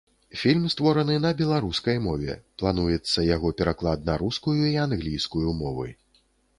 Фільм створаны на беларускай мове, плануецца яго пераклад на рускую і англійскую мовы.